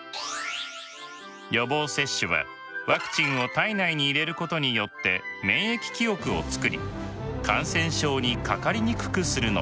予防接種はワクチンを体内に入れることによって免疫記憶を作り感染症にかかりにくくするのです。